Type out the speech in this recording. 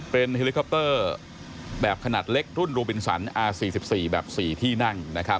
เป็นเฮลิคอปเตอร์แบบขนาดเล็กรุ่นรูบินสันอา๔๔แบบ๔ที่นั่ง